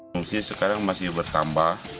kondisi sekarang masih bertambah